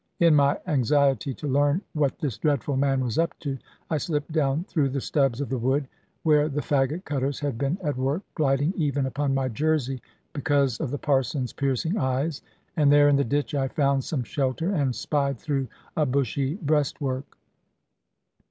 In my anxiety to learn what this dreadful man was up to, I slipped down through the stubs of the wood, where the faggot cutters had been at work, gliding even upon my jersey, because of the Parson's piercing eyes, and there in the ditch I found some shelter, and spied through a bushy breastwork.